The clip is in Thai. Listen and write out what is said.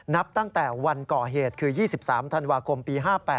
นับตั้งแต่วันก่อเหตุคือ๒๓ธันวาคมปี๕๘